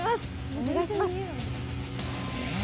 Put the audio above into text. お願いします。